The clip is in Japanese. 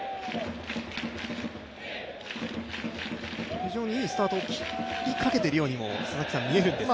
非常にいいスタートを切りかけているように見えるんですが。